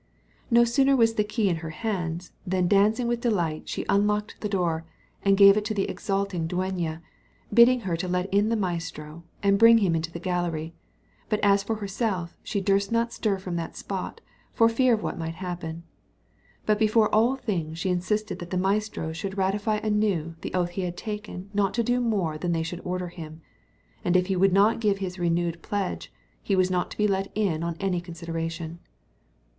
No sooner was the key in her hands, than dancing with delight she unlocked the door, and gave it to the exulting dueña, bidding her let in the maestro, and bring him into the gallery; but as for herself, she durst not stir from that spot, for fear of what might happen. But before all things she insisted that the maestro should ratify anew the oath he had taken not to do more than they should order him; and if he would not give this renewed pledge, he was not to be let in on any consideration.